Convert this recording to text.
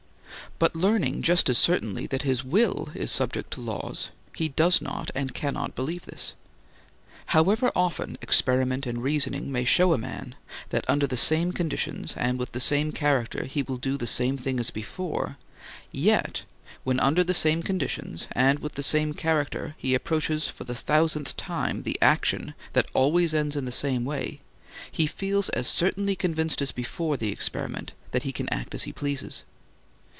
But learning just as certainly that his will is subject to laws, he does not and cannot believe this. However often experiment and reasoning may show a man that under the same conditions and with the same character he will do the same thing as before, yet when under the same conditions and with the same character he approaches for the thousandth time the action that always ends in the same way, he feels as certainly convinced as before the experiment that he can act as he pleases.